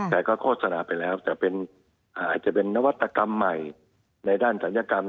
แต่ก็โฆษณาไปแล้วแต่อาจจะเป็นนวัตกรรมใหม่ในด้านศัลยกรรม